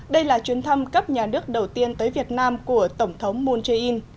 đây là chuyến thăm cấp nhà nước đầu tiên tới việt nam của tổng thống moon jae in